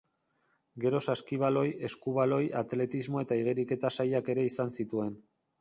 Gero saskibaloi, eskubaloi, atletismo eta igeriketa sailak ere izan zituen.